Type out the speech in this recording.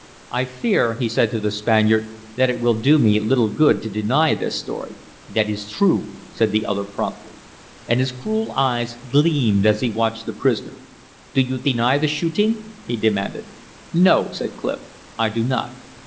"I fear," he said to the Spaniard, "that it will do me little good to deny this story." "That is true," said the other, promptly. And his cruel eyes gleamed as he watched the prisoner. "Do you deny the shooting?" he demanded. "No," said Clif, "I do not."